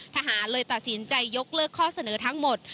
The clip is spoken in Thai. ทหารเลยตัดสินใจยกเลิกข้อเสนอทั้งหมด